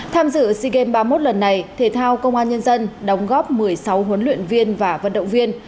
tham dự sea games ba mươi một lần này thể thao công an nhân dân đóng góp một mươi sáu huấn luyện viên và vận động viên